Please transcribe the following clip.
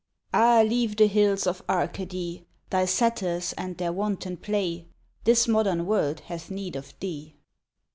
AH, leave the hills of Arcady, Thy satyrs and their wanton play, This modern world hath need of thee.